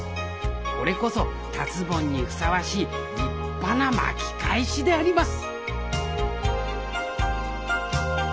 これこそ達ぼんにふさわしい立派な巻き返しであります！